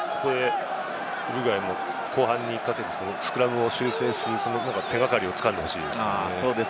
ウルグアイも後半にスクラムを修正する手掛かりを掴んでほしいですね。